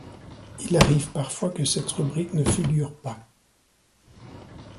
Il arrive parfois que cette rubrique ne figure pas.